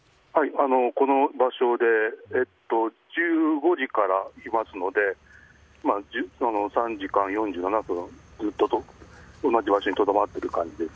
この場所で１５時からいますので３時間４７分ずっと同じ場所にとどまっている感じです。